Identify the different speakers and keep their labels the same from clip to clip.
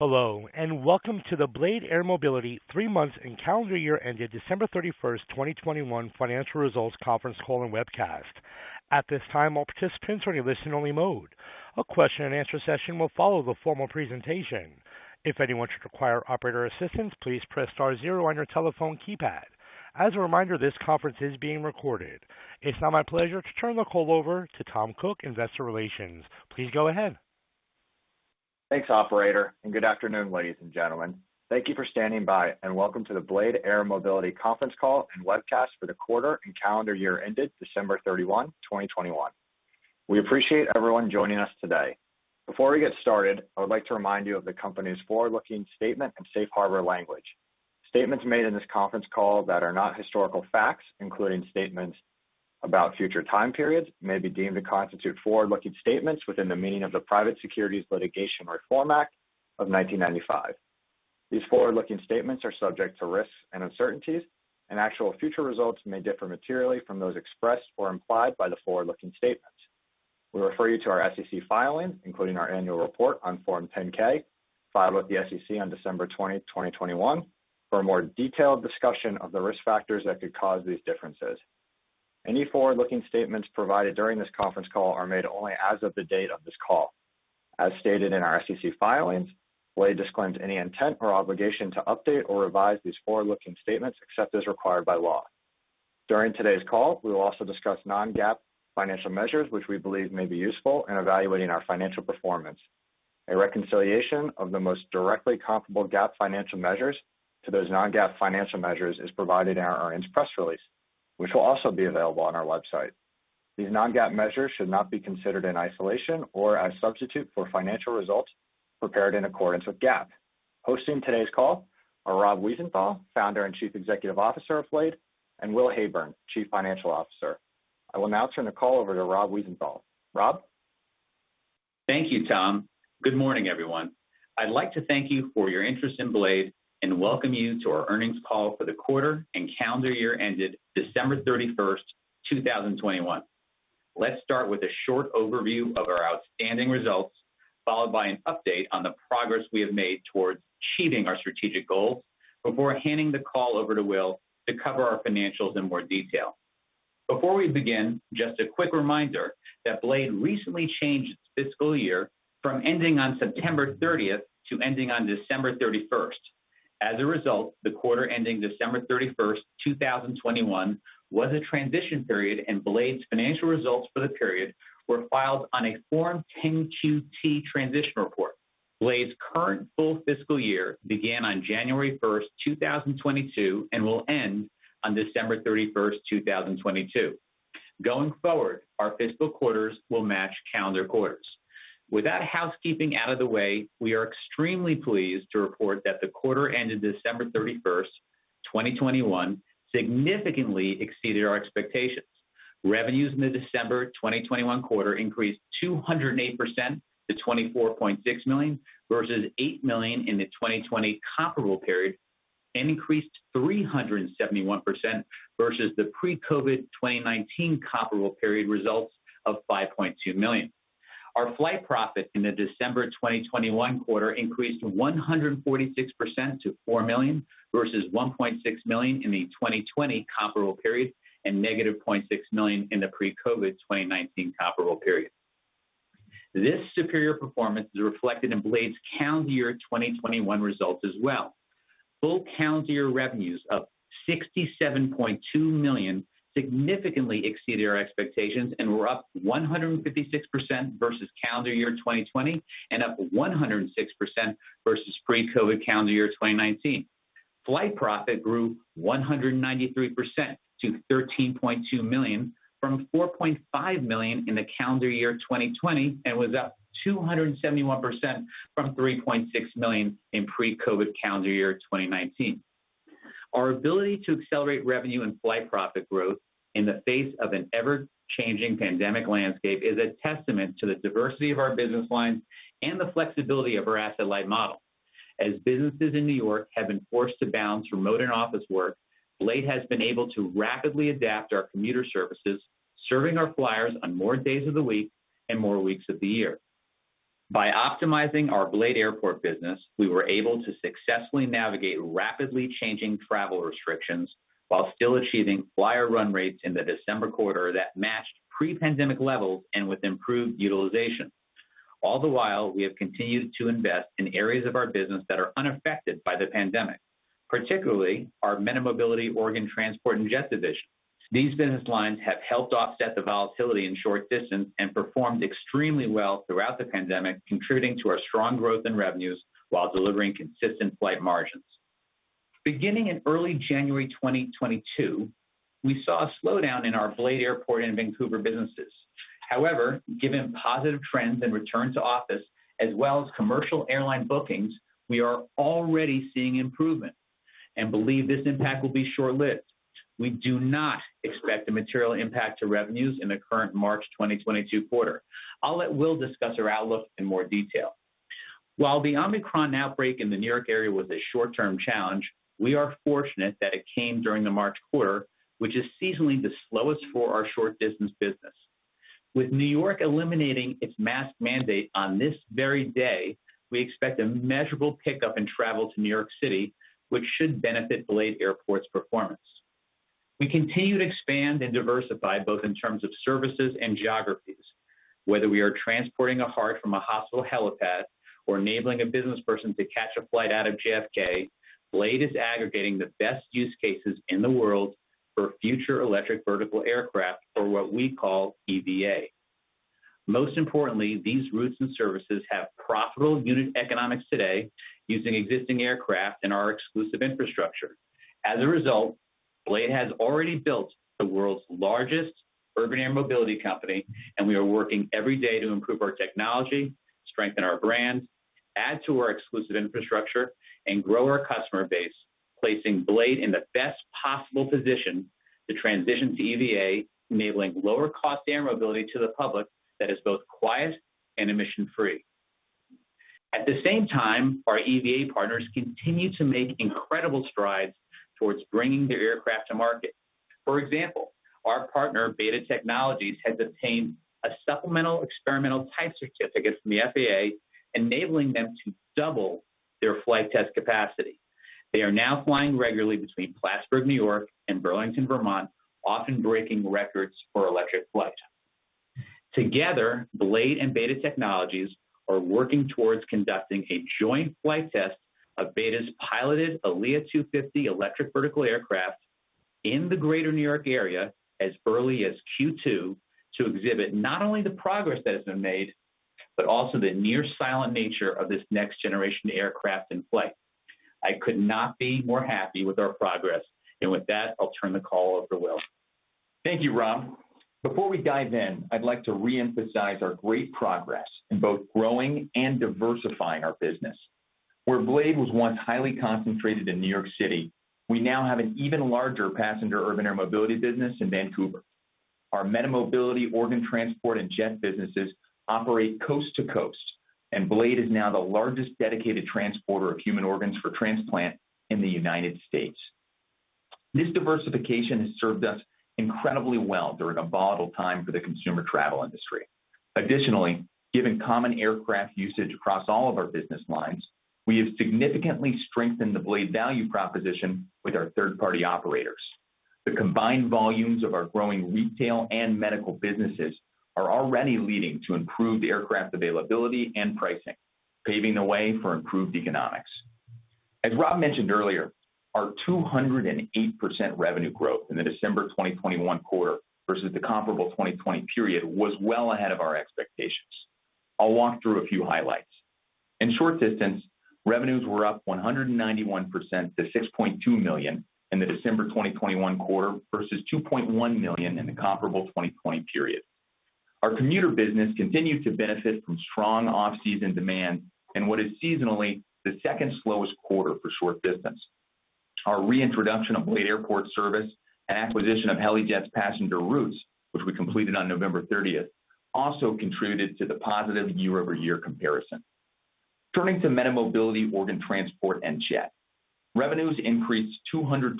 Speaker 1: Hello, and welcome to the Blade Air Mobility Three Months and Calendar Year Ended December 31, 2021 Financial Results Conference Call and Webcast. At this time, all participants are in a listen-only mode. A question-and-answer session will follow the formal presentation. If anyone should require operator assistance, please press star zero on your telephone keypad. As a reminder, this conference is being recorded. It's now my pleasure to turn the call over to Tom Cook, Investor Relations. Please go ahead.
Speaker 2: Thanks, operator, and good afternoon, ladies and gentlemen. Thank you for standing by, and welcome to the Blade Air Mobility conference call and webcast for the quarter and calendar year ended December 31, 2021. We appreciate everyone joining us today. Before we get started, I would like to remind you of the company's forward-looking statement and safe harbor language. Statements made in this conference call that are not historical facts, including statements about future time periods, may be deemed to constitute forward-looking statements within the meaning of the Private Securities Litigation Reform Act of 1995. These forward-looking statements are subject to risks and uncertainties, and actual future results may differ materially from those expressed or implied by the forward-looking statements. We refer you to our SEC filing, including our annual report on Form 10-K, filed with the SEC on December 20, 2021, for a more detailed discussion of the risk factors that could cause these differences. Any forward-looking statements provided during this conference call are made only as of the date of this call. As stated in our SEC filings, Blade disclaims any intent or obligation to update or revise these forward-looking statements except as required by law. During today's call, we will also discuss non-GAAP financial measures, which we believe may be useful in evaluating our financial performance. A reconciliation of the most directly comparable GAAP financial measures to those non-GAAP financial measures is provided in our earnings press release, which will also be available on our website. These non-GAAP measures should not be considered in isolation or as substitute for financial results prepared in accordance with GAAP. Hosting today's call are Rob Wiesenthal, Founder and Chief Executive Officer of Blade, and Will Heyburn, Chief Financial Officer. I will now turn the call over to Rob Wiesenthal. Rob?
Speaker 3: Thank you, Tom. Good morning, everyone. I'd like to thank you for your interest in Blade Air Mobility, and welcome you to our earnings call for the quarter and calendar year ended December 31, 2021. Let's start with a short overview of our outstanding results, followed by an update on the progress we have made towards achieving our strategic goals before handing the call over to Will to cover our financials in more detail. Before we begin, just a quick reminder that Blade Air Mobility recently changed its fiscal year from ending on September 13 to ending on December 31. As a result, the quarter ending December 31, 2021, was a transition period, and Blade Air Mobility's financial results for the period were filed on a Form 10-QT transition report. Blade Air Mobility's current full fiscal year began on January first, two thousand twenty-two, and will end on December 31, two thousand twenty-two. Going forward, our fiscal quarters will match calendar quarters. With that housekeeping out of the way, we are extremely pleased to report that the quarter ended December 31, 2021, significantly exceeded our expectations. Revenues in the December 2021 quarter increased 208% to $24.6 million, versus $8 million in the 2020 comparable period, and increased 371% versus the pre-COVID 2019 comparable period results of $5.2 million. Our flight profit in the December 2021 quarter increased 146% to $4 million, versus $1.6 million in the 2020 comparable period, and -$0.6 million in the pre-COVID 2019 comparable period. This superior performance is reflected in Blade's calendar year 2021 results as well. Full calendar year revenues of $67.2 million significantly exceeded our expectations and were up 156% versus calendar year 2020 and up 106% versus pre-COVID calendar year 2019. Flight profit grew 193% to $13.2 million from $4.5 million in the calendar year 2020, and was up 271% from $3.6 million in pre-COVID calendar year 2019. Our ability to accelerate revenue and flight profit growth in the face of an ever-changing pandemic landscape is a testament to the diversity of our business lines and the flexibility of our asset-light model. As businesses in New York have been forced to balance remote and office work, Blade has been able to rapidly adapt our commuter services, serving our flyers on more days of the week and more weeks of the year. By optimizing our Blade Airport business, we were able to successfully navigate rapidly changing travel restrictions while still achieving flyer run rates in the December quarter that matched pre-pandemic levels and with improved utilization. All the while, we have continued to invest in areas of our business that are unaffected by the pandemic, particularly our MediMobility, Organ Transport, and Jet division. These business lines have helped offset the volatility in short distance and performed extremely well throughout the pandemic, contributing to our strong growth in revenues while delivering consistent flight margins. Beginning in early January 2022, we saw a slowdown in our Blade Airport and Vancouver businesses. However, given positive trends and return to office as well as commercial airline bookings, we are already seeing improvement and believe this impact will be short-lived. We do not expect a material impact to revenues in the current March 2022 quarter. I'll let Will discuss our outlook in more detail. While the Omicron outbreak in the New York area was a short-term challenge, we are fortunate that it came during the March quarter, which is seasonally the slowest for our short distance business. With New York eliminating its mask mandate on this very day, we expect a measurable pickup in travel to New York City, which should benefit Blade Airport's performance. We continue to expand and diversify both in terms of services and geographies. Whether we are transporting a heart from a hospital helipad or enabling a business person to catch a flight out of JFK, Blade is aggregating the best use cases in the world for future electric vertical aircraft, or what we call EVA. Most importantly, these routes and services have profitable unit economics today using existing aircraft and our exclusive infrastructure. As a result, Blade has already built the world's largest urban air mobility company, and we are working every day to improve our technology, strengthen our brand, add to our exclusive infrastructure, and grow our customer base, placing Blade in the best possible position to transition to EVA, enabling lower cost air mobility to the public that is both quiet and emission-free. At the same time, our EVA partners continue to make incredible strides towards bringing their aircraft to market. For example, our partner, Beta Technologies, has obtained a supplemental experimental type certificate from the FAA, enabling them to double their flight test capacity. They are now flying regularly between Plattsburgh, New York, and Burlington, Vermont, often breaking records for electric flight. Together, Blade and Beta Technologies are working towards conducting a joint flight test of Beta's piloted ALIA-250 electric vertical aircraft in the Greater New York area as early as Q2 to exhibit not only the progress that has been made, but also the nearly silent nature of this next generation aircraft in flight. I could not be more happy with our progress, and with that, I'll turn the call over to Will.
Speaker 4: Thank you, Rob. Before we dive in, I'd like to reemphasize our great progress in both growing and diversifying our business. Where Blade was once highly concentrated in New York City, we now have an even larger passenger urban air mobility business in Vancouver. Our MediMobility organ transport and jet businesses operate coast to coast, and Blade is now the largest dedicated transporter of human organs for transplant in the United States. This diversification has served us incredibly well during a volatile time for the consumer travel industry. Additionally, given common aircraft usage across all of our business lines, we have significantly strengthened the Blade value proposition with our third-party operators. The combined volumes of our growing retail and medical businesses are already leading to improved aircraft availability and pricing, paving the way for improved economics. As Rob mentioned earlier, our 208% revenue growth in the December 2021 quarter versus the comparable 2020 period was well ahead of our expectations. I'll walk through a few highlights. In short distance, revenues were up 191% to $6.2 million in the December 2021 quarter versus $2.1 million in the comparable 2020 period. Our commuter business continued to benefit from strong off-season demand in what is seasonally the second slowest quarter for short distance. Our reintroduction of Blade Airport service and acquisition of Helijet's passenger routes, which we completed on November 30, also contributed to the positive year-over-year comparison. Turning to MediMobility organ transport and jet. Revenues increased 227%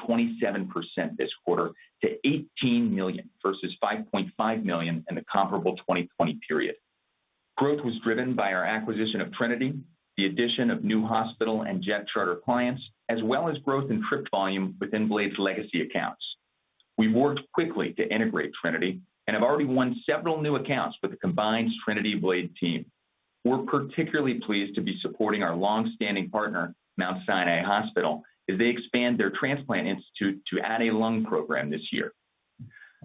Speaker 4: this quarter to $18 million versus $5.5 million in the comparable 2020 period. Growth was driven by our acquisition of Trinity, the addition of new hospital and jet charter clients, as well as growth in trip volume within Blade's legacy accounts. We worked quickly to integrate Trinity and have already won several new accounts for the combined Trinity Blade team. We're particularly pleased to be supporting our long-standing partner, Mount Sinai Hospital, as they expand their transplant institute to add a lung program this year.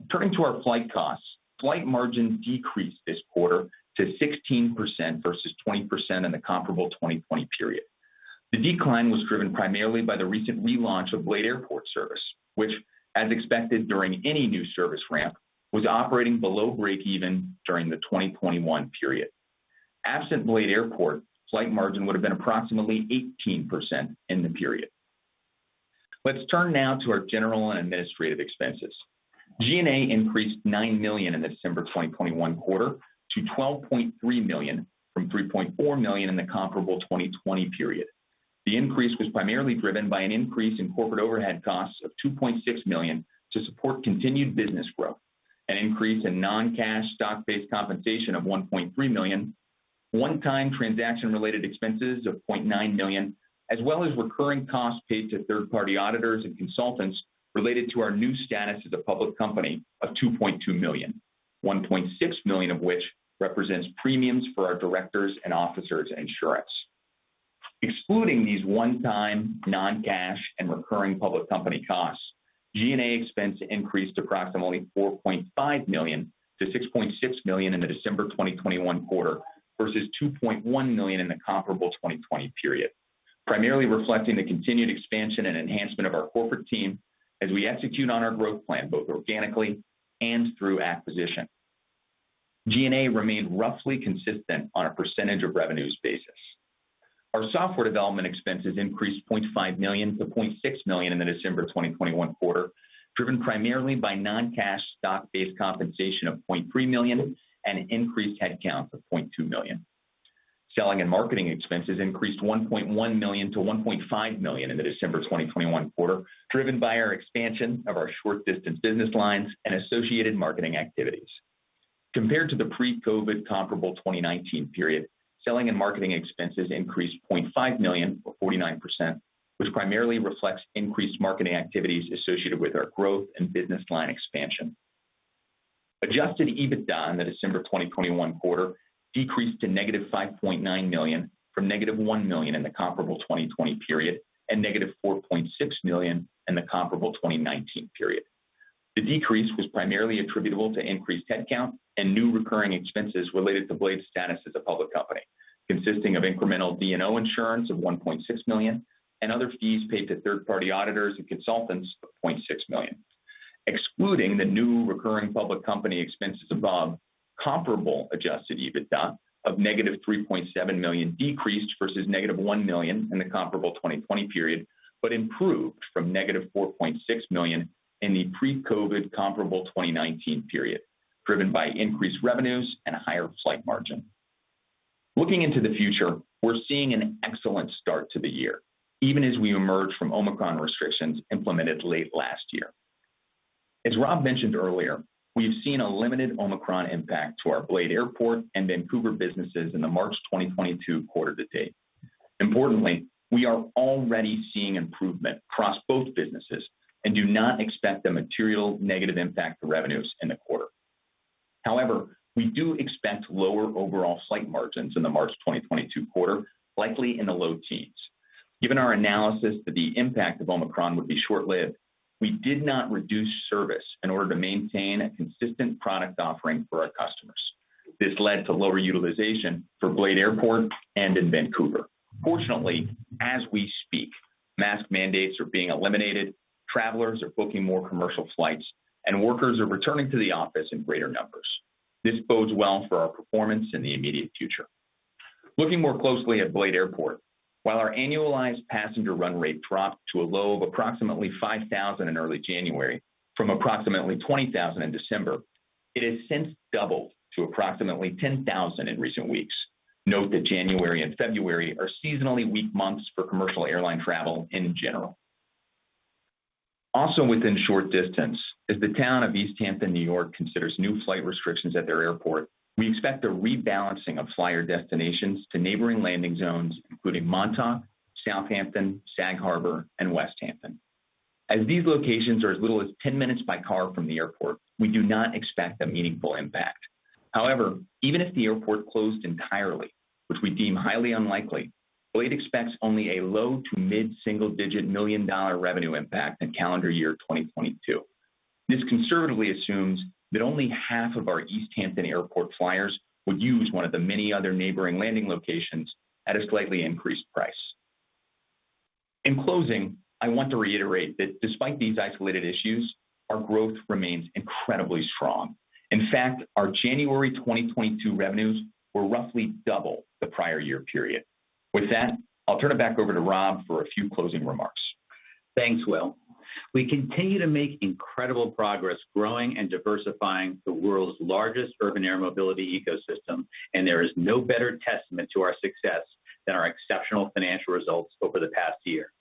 Speaker 4: Turning to our flight costs. Flight margins decreased this quarter to 16% versus 20% in the comparable 2020 period. The decline was driven primarily by the recent relaunch of Blade Airport service, which, as expected during any new service ramp, was operating below breakeven during the 2021 period. Absent Blade Airport, flight margin would have been approximately 18% in the period. Let's turn now to our general and administrative expenses. G&A increased $9 million in the December 2021 quarter to $12.3 million from $3.4 million in the comparable 2020 period. The increase was primarily driven by an increase in corporate overhead costs of $2.6 million to support continued business growth, an increase in non-cash stock-based compensation of $1.3 million, one-time transaction-related expenses of $0.9 million, as well as recurring costs paid to third-party auditors and consultants related to our new status as a public company of $2.2 million, $1.6 million of which represents premiums for our directors' and officers' insurance. Excluding these one-time non-cash and recurring public company costs, G&A expense increased approximately $4.5 million-$6.6 million in the December 2021 quarter versus $2.1 million in the comparable 2020 period, primarily reflecting the continued expansion and enhancement of our corporate team as we execute on our growth plan, both organically and through acquisition. G&A remained roughly consistent on a percentage of revenues basis. Our software development expenses increased $0.5 million-$0.6 million in the December 2021 quarter, driven primarily by non-cash stock-based compensation of $0.3 million and an increased headcount of $0.2 million. Selling and marketing expenses increased $1.1 million-$1.5 million in the December 2021 quarter, driven by our expansion of our short distance business lines and associated marketing activities. Compared to the pre-COVID comparable 2019 period, selling and marketing expenses increased $0.5 million, or 49%, which primarily reflects increased marketing activities associated with our growth and business line expansion. Adjusted EBITDA in the December 2021 quarter decreased to negative $5.9 million from negative $1 million in the comparable 2020 period, and negative $4.6 million in the comparable 2019 period. The decrease was primarily attributable to increased headcount and new recurring expenses related to Blade's status as a public company, consisting of incremental D&O insurance of $1.6 million and other fees paid to third party auditors and consultants of $0.6 million. Excluding the new recurring public company expenses above, comparable Adjusted EBITDA of -$3.7 million decreased versus -$1 million in the comparable 2020 period, but improved from -$4.6 million in the pre-COVID comparable 2019 period, driven by increased revenues and a higher flight margin. Looking into the future, we're seeing an excellent start to the year, even as we emerge from Omicron restrictions implemented late last year. As Rob mentioned earlier, we have seen a limited Omicron impact to our Blade Airport and Vancouver businesses in the March 2022 quarter to date. Importantly, we are already seeing improvement across both businesses and do not expect a material negative impact to revenues in the quarter. However, we do expect lower overall flight margins in the March 2022 quarter, likely in the low teens. Given our analysis that the impact of Omicron would be short-lived, we did not reduce service in order to maintain a consistent product offering for our customers. This led to lower utilization for Blade Airport and in Vancouver. Fortunately, as we speak, mask mandates are being eliminated, travelers are booking more commercial flights, and workers are returning to the office in greater numbers. This bodes well for our performance in the immediate future. Looking more closely at Blade Airport, while our annualized passenger run rate dropped to a low of approximately 5,000 in early January from approximately 20,000 in December, it has since doubled to approximately 10,000 in recent weeks. Note that January and February are seasonally weak months for commercial airline travel in general. Also within short distance, as the town of East Hampton, New York considers new flight restrictions at their airport, we expect a rebalancing of flyer destinations to neighboring landing zones, including Montauk, Southampton, Sag Harbor, and Westhampton. As these locations are as little as 10 minutes by car from the airport, we do not expect a meaningful impact. However, even if the airport closed entirely, which we deem highly unlikely, Blade expects only a low- to mid-single-digit million-dollar revenue impact in calendar year 2022. This conservatively assumes that only half of our East Hampton Airport flyers would use one of the many other neighboring landing locations at a slightly increased price. In closing, I want to reiterate that despite these isolated issues, our growth remains incredibly strong. In fact, our January 2022 revenues were roughly double the prior year period. With that, I'll turn it back over to Rob for a few closing remarks.
Speaker 3: Thanks, Will. We continue to make incredible progress growing and diversifying the world's largest urban air mobility ecosystem, and there is no better testament to our success than our exceptional financial results over the past year.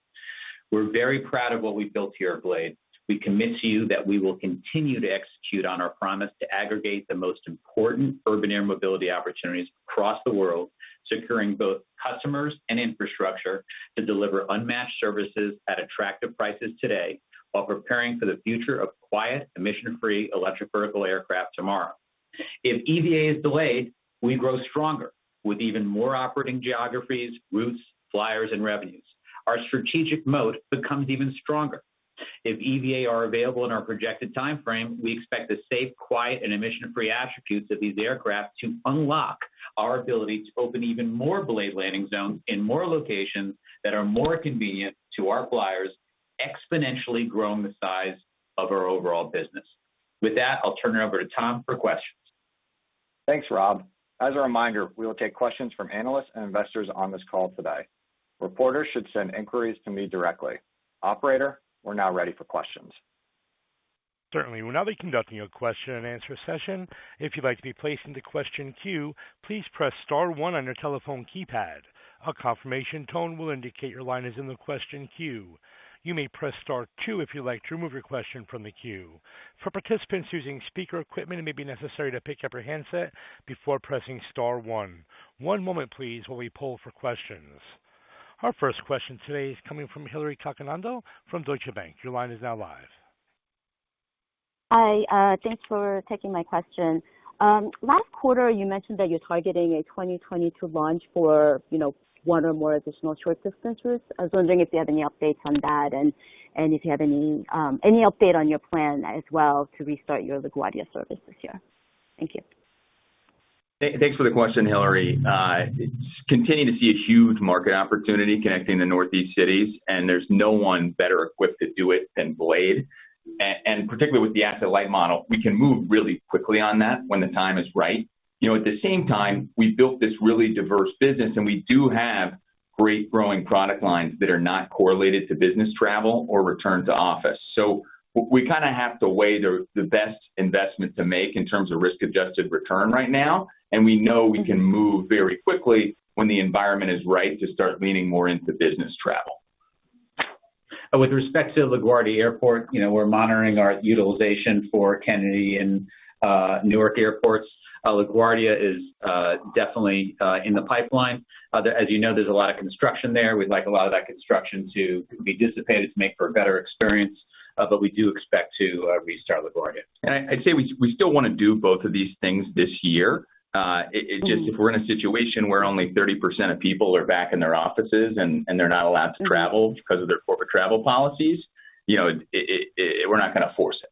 Speaker 3: We're very proud of what we've built here at Blade. We commit to you that we will continue to execute on our promise to aggregate the most important urban air mobility opportunities across the world, securing both customers and infrastructure to deliver unmatched services at attractive prices today while preparing for the future of quiet, emission-free electric vertical aircraft tomorrow. If EVA is delayed, we grow stronger with even more operating geographies, routes, flyers, and revenues. Our strategic mode becomes even stronger. If eVTOLs are available in our projected timeframe, we expect the safe, quiet, and emission-free attributes of these aircraft to unlock our ability to open even more Blade landing zones in more locations that are more convenient to our flyers, exponentially growing the size of our overall business. With that, I'll turn it over to Tom for questions.
Speaker 2: Thanks, Rob. As a reminder, we will take questions from analysts and investors on this call today. Reporters should send inquiries to me directly. Operator, we're now ready for questions.
Speaker 1: Certainly. We'll now be conducting a question and answer session. If you'd like to be placed into question queue, please press star one on your telephone keypad. A confirmation tone will indicate your line is in the question queue. You may press star two if you'd like to remove your question from the queue. For participants using speaker equipment, it may be necessary to pick up your handset before pressing star one. One moment please while we poll for questions. Our first question today is coming from Hillary Cacanando from Deutsche Bank. Your line is now live.
Speaker 5: Hi, thanks for taking my question. Last quarter you mentioned that you're targeting a 2022 launch for, you know, one or more additional short distances. I was wondering if you have any updates on that and if you have any update on your plan as well to restart your LaGuardia services here. Thank you.
Speaker 4: Thanks for the question, Hillary. We continue to see a huge market opportunity connecting the Northeast cities, and there's no one better equipped to do it than Blade. And particularly with the asset light model, we can move really quickly on that when the time is right. You know, at the same time, we built this really diverse business, and we do have Great growing product lines that are not correlated to business travel or return to office. We kind of have to weigh the best investment to make in terms of risk-adjusted return right now. We know we can move very quickly when the environment is right to start leaning more into business travel.
Speaker 3: With respect to LaGuardia Airport, you know, we're monitoring our utilization for Kennedy and Newark airports. LaGuardia is definitely in the pipeline. As you know, there's a lot of construction there. We'd like a lot of that construction to be dissipated to make for a better experience. We do expect to restart LaGuardia.
Speaker 4: I'd say we still wanna do both of these things this year.
Speaker 3: Mm-hmm
Speaker 4: It just if we're in a situation where only 30% of people are back in their offices and they're not allowed to travel because of their corporate travel policies, you know, we're not gonna force it.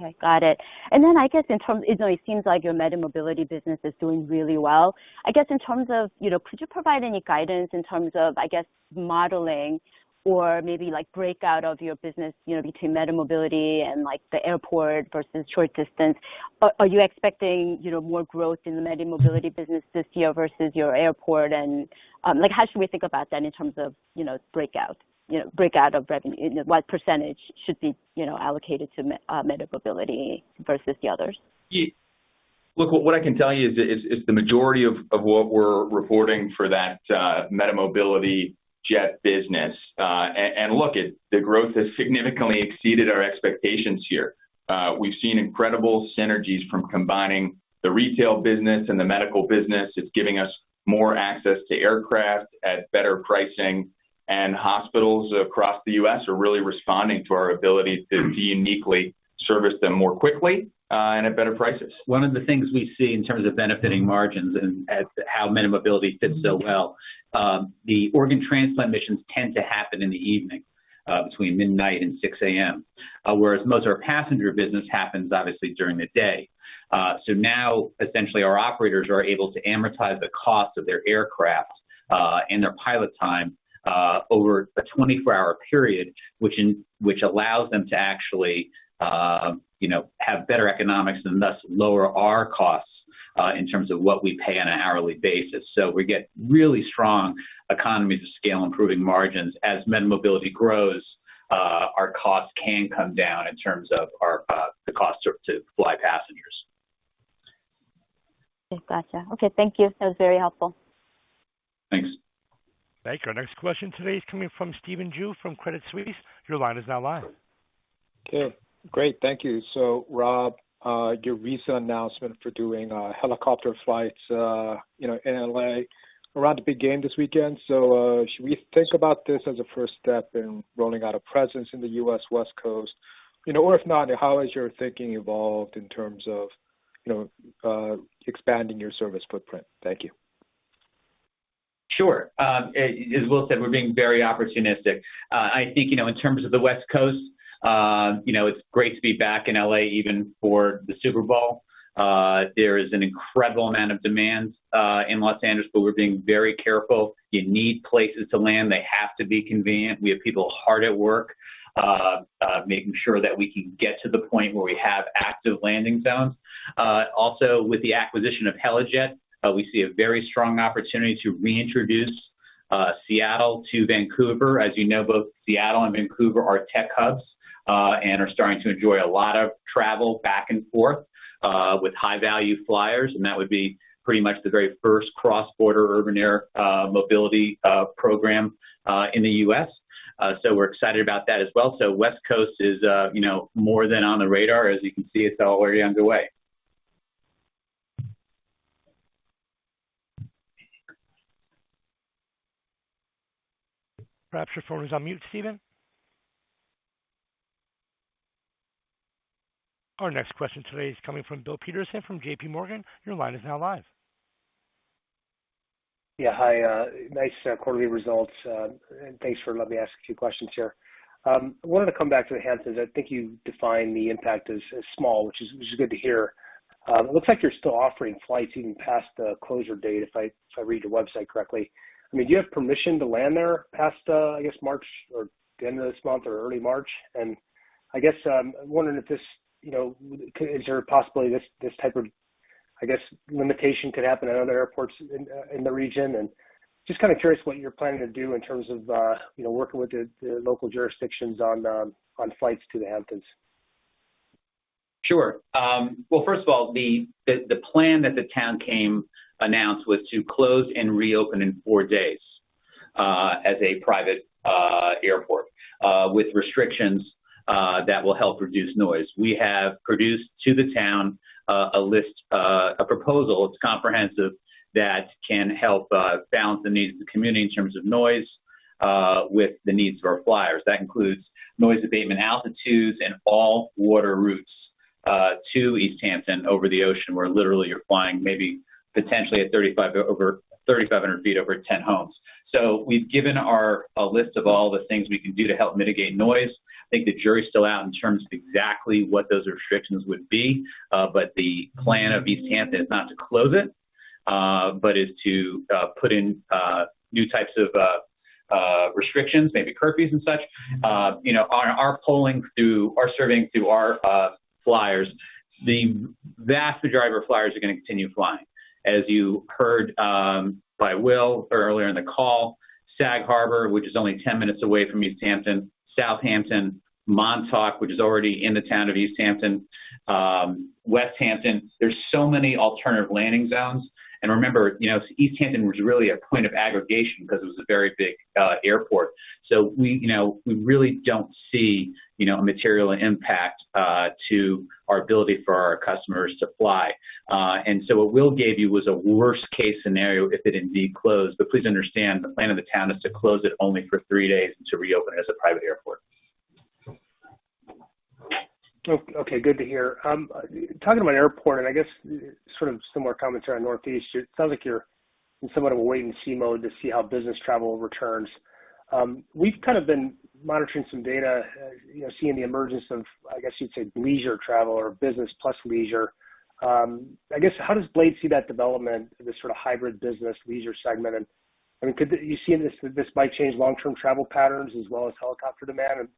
Speaker 5: Okay, got it. I guess in terms of, it seems like your MediMobility business is doing really well. I guess in terms of, you know, could you provide any guidance in terms of, I guess, modeling or maybe like breakout of your business, you know, between MediMobility and like the airport versus short distance? Are you expecting, you know, more growth in the MediMobility business this year versus your airport? Like how should we think about that in terms of, you know, breakout? You know, breakout of revenue—what percentage should be, you know, allocated to MediMobility versus the others?
Speaker 4: Yeah. Look, what I can tell you is the majority of what we're reporting for that MediMobility jet business. Look, the growth has significantly exceeded our expectations here. We've seen incredible synergies from combining the retail business and the medical business. It's giving us more access to aircraft at better pricing. Hospitals across the U.S. are really responding to our ability to uniquely service them more quickly and at better prices.
Speaker 3: One of the things we see in terms of benefiting margins and as to how MediMobility fits so well, the organ transplant missions tend to happen in the evening, between midnight and 6 A.M. Whereas most of our passenger business happens obviously during the day. Now essentially our operators are able to amortize the cost of their aircraft, and their pilot time, over a 24-hour period, which allows them to actually, you know, have better economics and thus lower our costs, in terms of what we pay on an hourly basis. We get really strong economies of scale improving margins. As MediMobility grows, our costs can come down in terms of our, the cost to fly passengers.
Speaker 5: Okay, gotcha. Okay, thank you. That was very helpful.
Speaker 4: Thanks.
Speaker 1: Thank you. Our next question today is coming from Stephen Ju from Credit Suisse. Your line is now live.
Speaker 6: Okay, great. Thank you. Rob, your recent announcement for doing helicopter flights, you know, in L.A. around the big game this weekend. Should we think about this as a first step in rolling out a presence in the U.S. West Coast? You know, or if not, how has your thinking evolved in terms of, you know, expanding your service footprint? Thank you.
Speaker 3: Sure. As Will said, we're being very opportunistic. I think, you know, in terms of the West Coast, you know, it's great to be back in L.A. even for the Super Bowl. There is an incredible amount of demand in Los Angeles, but we're being very careful. You need places to land. They have to be convenient. We have people hard at work making sure that we can get to the point where we have active landing zones. Also with the acquisition of Helijet, we see a very strong opportunity to reintroduce Seattle to Vancouver. As you know, both Seattle and Vancouver are tech hubs, and are starting to enjoy a lot of travel back and forth, with high value flyers, and that would be pretty much the very first cross-border urban air mobility program in the U.S. We're excited about that as well. West Coast is, you know, more than on the radar. As you can see, it's already underway.
Speaker 1: Perhaps your phone is on mute, Stephen. Our next question today is coming from Bill Peterson from JPMorgan. Your line is now live.
Speaker 7: Yeah, hi, nice quarterly results, and thanks for letting me ask a few questions here. I wanted to come back to the Hamptons. I think you defined the impact as small, which is good to hear. It looks like you're still offering flights even past the closure date, if I read your website correctly. I mean, do you have permission to land there past, I guess March or the end of this month or early March? I guess, I'm wondering if this, you know, is there a possibility this type of, I guess, limitation could happen at other airports in the region? Just kind of curious what you're planning to do in terms of, you know, working with the local jurisdictions on flights to the Hamptons.
Speaker 3: Sure. Well, first of all, the plan that the town announced was to close and reopen in four days as a private airport with restrictions that will help reduce noise. We have produced to the town a list, a proposal, it's comprehensive, that can help balance the needs of the community in terms of noise with the needs of our flyers. That includes noise abatement altitudes and all water routes to East Hampton over the ocean, where literally you're flying maybe potentially at over 3,500 feet over 10 homes. We've given a list of all the things we can do to help mitigate noise. I think the jury's still out in terms of exactly what those restrictions would be. The plan of East Hampton is not to close it, but to put in new types of
Speaker 4: Restrictions, maybe curfews and such. You know, on our surveying through our flyers, that's the driver flyers are gonna continue flying. As you heard by Will earlier in the call, Sag Harbor, which is only 10 minutes away from East Hampton, Southampton, Montauk, which is already in the town of East Hampton, Westhampton. There are so many alternative landing zones. Remember, you know, East Hampton was really a point of aggregation because it was a very big airport. We, you know, we really don't see, you know, a material impact to our ability for our customers to fly. What Will gave you was a worst-case scenario if it indeed closed. Please understand the plan of the town is to close it only for three days and to reopen it as a private airport.
Speaker 7: Okay, good to hear. Talking about airport, and I guess sort of similar comments around Northeast, it sounds like you're in somewhat of a wait-and-see mode to see how business travel returns. We've kind of been monitoring some data, you know, seeing the emergence of, I guess you'd say leisure travel or business plus leisure. I guess how does Blade see that development in this sort of hybrid business leisure segment? I mean, could you see this might change long-term travel patterns as well as helicopter demand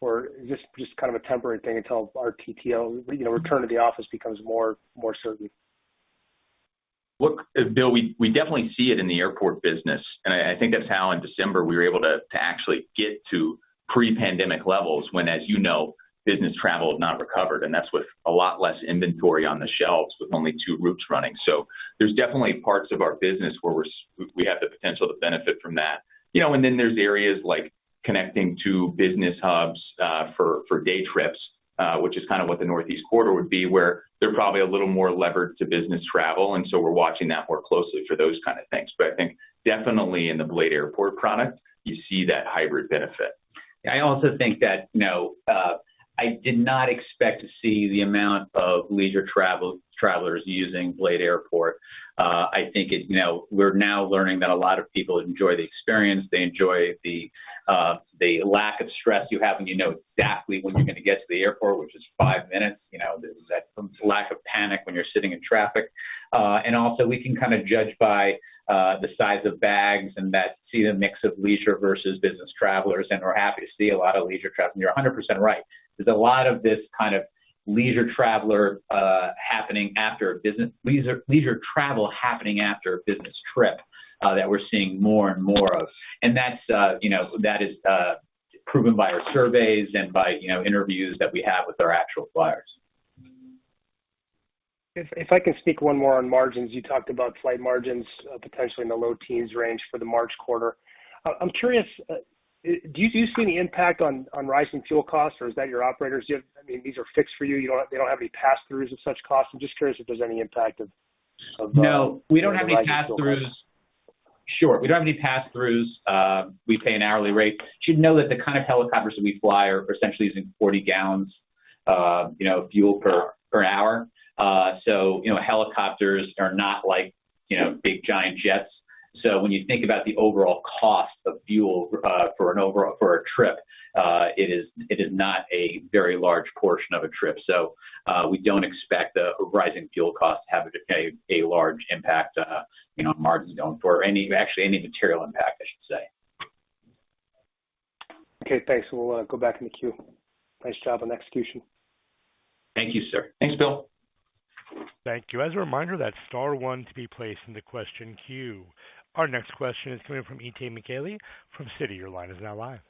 Speaker 7: or just kind of a temporary thing until our RTO, you know, return to the office becomes more certain?
Speaker 4: Look, Bill, we definitely see it in the airport business, and I think that's how in December we were able to actually get to pre-pandemic levels when, as you know, business travel has not recovered, and that's with a lot less inventory on the shelves with only two routes running. There's definitely parts of our business where we have the potential to benefit from that. You know, then there's areas like connecting to business hubs for day trips, which is kind of what the Northeast Corridor would be, where they're probably a little more levered to business travel, and we're watching that more closely for those kind of things. I think definitely in the Blade Airport product, you see that hybrid benefit.
Speaker 3: I also think that, you know, I did not expect to see the amount of leisure travelers using Blade Airport. I think it you know, we're now learning that a lot of people enjoy the experience, they enjoy the lack of stress you have when you know exactly when you're gonna get to the airport, which is five minutes. You know, there's that lack of panic when you're sitting in traffic. And also we can kind of judge by the size of bags and that we see the mix of leisure versus business travelers, and we're happy to see a lot of leisure travel. You're 100% right. There's a lot of this kind of leisure travel happening after a business trip that we're seeing more and more of. That's, you know, proven by our surveys and by, you know, interviews that we have with our actual flyers.
Speaker 7: If I can speak one more on margins. You talked about flight margins potentially in the low teens range for the March quarter. I'm curious, do you see any impact on rising fuel costs, or is that your operators? I mean, these are fixed for you, they don't have any passthroughs of such costs? I'm just curious if there's any impact of.
Speaker 3: No, we don't have any passthroughs. Sure. We pay an hourly rate. You should know that the kind of helicopters that we fly are essentially using 40 gallons, you know, fuel per hour. You know, helicopters are not like, you know, big giant jets. When you think about the overall cost of fuel for a trip, it is not a very large portion of a trip. We don't expect the rising fuel costs to have a large impact on, you know, margins going forward or actually any material impact, I should say.
Speaker 7: Okay, thanks. We'll go back in the queue. Nice job on execution.
Speaker 3: Thank you, sir.
Speaker 4: Thanks, Bill.
Speaker 1: Thank you. As a reminder, that's star one to be placed in the question queue. Our next question is coming from Itay Michaeli from Citi. Your line is now live.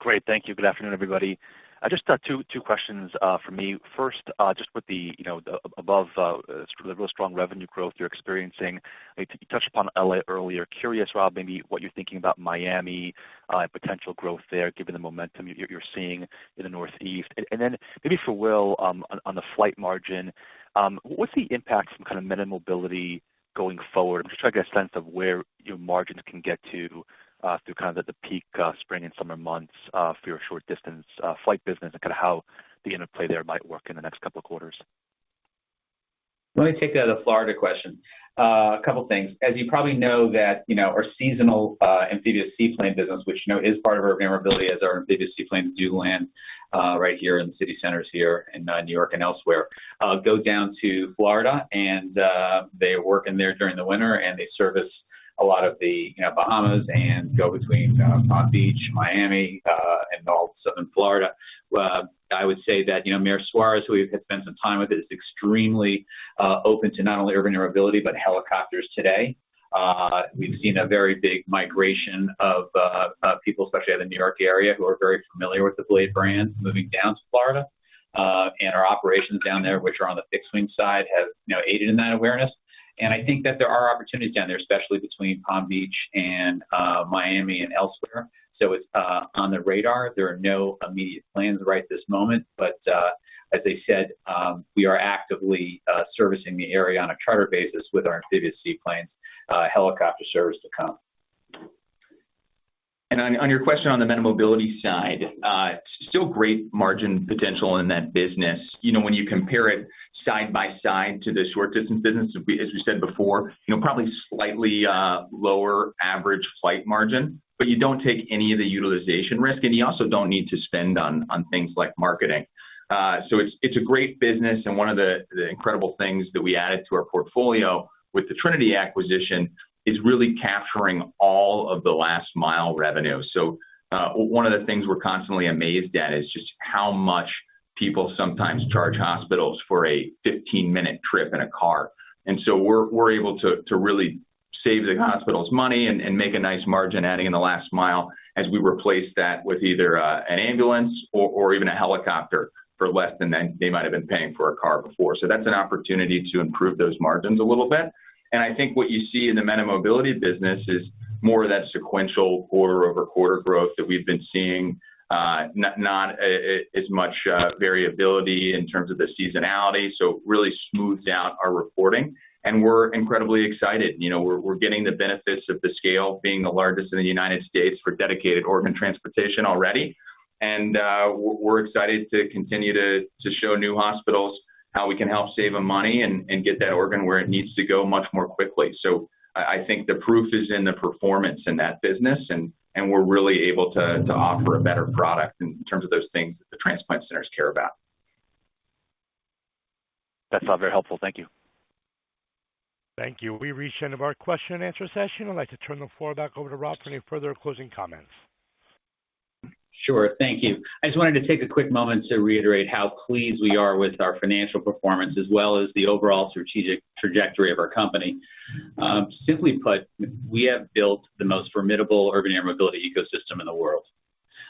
Speaker 8: Great. Thank you. Good afternoon, everybody. I just have two questions for me. First, just with the, you know, the above, the real strong revenue growth you're experiencing. I think you touched upon L.A. earlier. Curious, Rob, maybe what you're thinking about Miami, potential growth there, given the momentum you're seeing in the Northeast. And then maybe for Will, on the flight margin, what's the impact from kind of MediMobility going forward? I'm just trying to get a sense of where your margins can get to, through kind of the peak spring and summer months, for your short distance flight business and kind of how the interplay there might work in the next couple of quarters.
Speaker 3: Let me take the other Florida question. A couple things. As you probably know that, you know, our seasonal amphibious seaplane business, which you know is part of our vulnerability as our amphibious seaplanes do land right here in the city centers here in New York and elsewhere, go down to Florida and they work in there during the winter and they service a lot of the, you know, Bahamas and go between Palm Beach, Miami and all of South Florida. I would say that, you know, Mayor Suarez, who we have spent some time with, is extremely open to not only urban air mobility, but helicopters today. We've seen a very big migration of people, especially out of the New York area, who are very familiar with the Blade brand moving down to Florida. Our operations down there, which are on the fixed wing side, have, you know, aided in that awareness. I think that there are opportunities down there, especially between Palm Beach and Miami and elsewhere. It's on the radar. There are no immediate plans right this moment, but as I said, we are actively servicing the area on a charter basis with our amphibious seaplanes, helicopter service to come.
Speaker 4: On your question on the MediMobility side, still great margin potential in that business. You know, when you compare it side by side to the short distance business, as we said before, you know, probably slightly lower average flight margin, but you don't take any of the utilization risk, and you also don't need to spend on things like marketing. It's a great business and one of the incredible things that we added to our portfolio with the Trinity acquisition is really capturing all of the last mile revenue. One of the things we're constantly amazed at is just how much people sometimes charge hospitals for a fifteen-minute trip in a car. We're able to really save the hospitals money and make a nice margin adding in the last mile as we replace that with either an ambulance or even a helicopter for less than they might have been paying for a car before. That's an opportunity to improve those margins a little bit. I think what you see in the MediMobility business is more of that sequential quarter-over-quarter growth that we've been seeing, not as much variability in terms of the seasonality. It really smooths out our reporting, and we're incredibly excited. You know, we're getting the benefits of the scale being the largest in the United States for dedicated organ transportation already. We're excited to continue to show new hospitals how we can help save them money and get that organ where it needs to go much more quickly. I think the proof is in the performance in that business, and we're really able to offer a better product in terms of those things that the transplant centers care about.
Speaker 8: That's all very helpful. Thank you.
Speaker 1: Thank you. We've reached the end of our question-and-answer session. I'd like to turn the floor back over to Rob for any further closing comments.
Speaker 3: Sure. Thank you. I just wanted to take a quick moment to reiterate how pleased we are with our financial performance as well as the overall strategic trajectory of our company. Simply put, we have built the most formidable urban air mobility ecosystem in the world.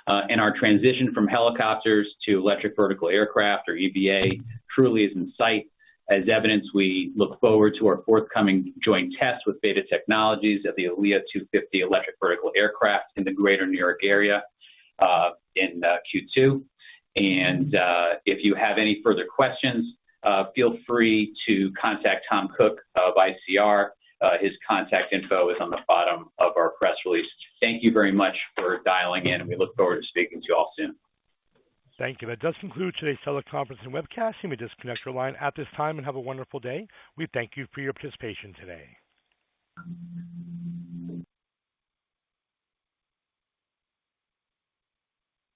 Speaker 3: Our transition from helicopters to electric vertical aircraft or EVA truly is in sight. As evidenced, we look forward to our forthcoming joint tests with BETA Technologies of the ALIA-250 electric vertical aircraft in the Greater New York area in Q2. If you have any further questions, feel free to contact Tom Cook of ICR. His contact info is on the bottom of our press release. Thank you very much for dialing in, and we look forward to speaking to you all soon.
Speaker 1: Thank you. That does conclude today's teleconference and webcast. You may disconnect your line at this time and have a wonderful day. We thank you for your participation today.